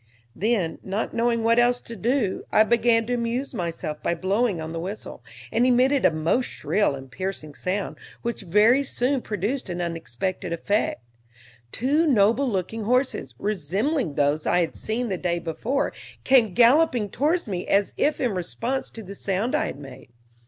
Then, not knowing what else to do, I began to amuse myself by blowing on the whistle, and emitted a most shrill and piercing sound, which very soon produced an unexpected effect. Two noble looking horses, resembling those I had seen the day before, came galloping towards me as if in response to the sound I had made.